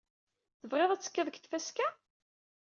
Tebɣiḍ ad ttekkiḍ deg tfaska?